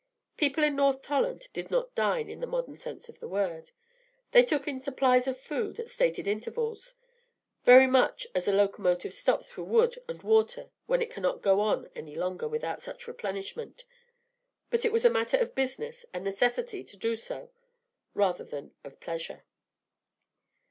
People in North Tolland did not dine in the modern sense of the word. They took in supplies of food at stated intervals, very much as a locomotive stops for wood and water when it cannot go on any longer without such replenishment; but it was a matter of business and necessity to do so rather than of pleasure.